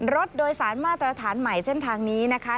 รถโดยสารมาตรฐานใหม่เส้นทางนี้นะคะ